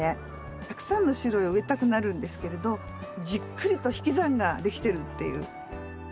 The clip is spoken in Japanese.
たくさんの種類を植えたくなるんですけれどじっくりと引き算ができてるっていう。